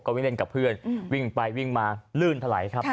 วิ่งเล่นกับเพื่อนวิ่งไปวิ่งมาลื่นถลายครับ